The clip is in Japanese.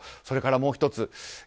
それからもう１つ